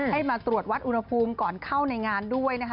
ให้มาตรวจวัดอุณหภูมิก่อนเข้าในงานด้วยนะคะ